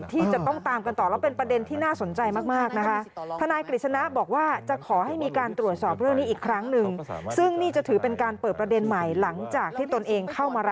ที่ตนเองเข้ามารับหน้าที่ธนายความค่ะ